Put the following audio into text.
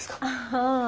ああ。